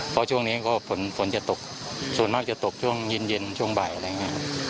เพราะช่วงนี้ก็ฝนฝนจะตกส่วนมากจะตกช่วงเย็นช่วงบ่ายอะไรอย่างนี้